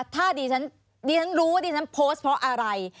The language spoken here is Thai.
ถ้าดิฉันรู้ว่าดิฉันโพสต์เพราะอะไร